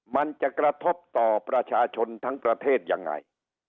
มันจะกระทบต่อประชาชนทั้งประเทศยังไง